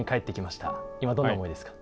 今どんな思いですか？